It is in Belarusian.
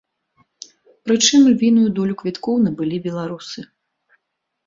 Прычым, львіную долю квіткоў набылі беларусы.